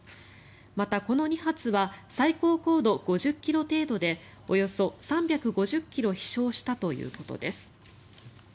また、この２発は最高高度５０ｋｍ程度でおよそ３５０ｋｍ飛翔したということです。